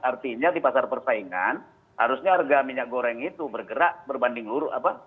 artinya di pasar persaingan harusnya harga minyak goreng itu bergerak berbanding lurus